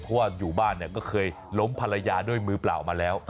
เพราะว่าอยู่บ้านเนี่ยก็เคยล้มภรรยาด้วยมือเปล่ามาแล้ว